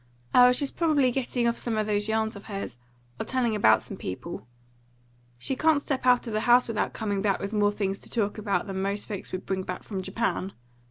"Oh, she's probably getting off some of those yarns of hers, or telling about some people. She can't step out of the house without coming back with more things to talk about than most folks would bring back from Japan.